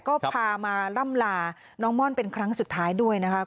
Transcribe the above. ก็พามาล่ำลาน้องม่อนเป็นครั้งสุดท้ายด้วยนะคะ